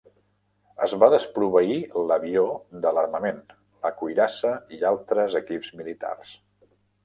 Es va desproveir l'avió de l'armament, la cuirassa i altres equips militars.